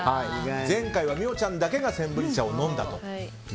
前回は美桜ちゃんだけがセンブリ茶を飲んで。